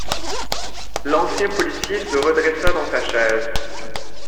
L’ancien policier se redressa dans sa chaise.